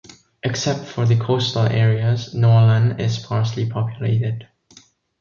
Except for the coastal areas, Norrland is sparsely populated.